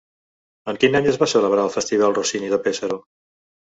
En quin any es va celebrar el Festival Rossini de Pesaro?